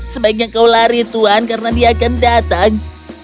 sebaiknya kau lari tuan karena dia akan datang